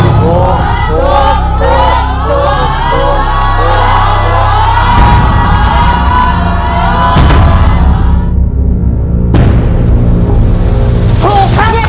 คุณฝนจากชายบรรยาย